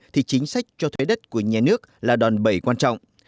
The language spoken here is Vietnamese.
thì chính sách cho thuê đất của nhà nước là đòn bẩy quan trọng